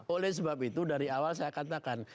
oleh sebab itu dari awal saya katakan